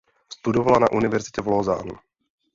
Studovala na univerzitě v Lausanne.